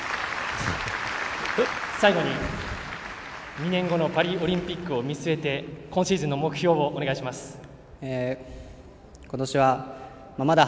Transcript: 最後に２年後のパリオリンピックを見据えて今シーズンの目標をお願いします。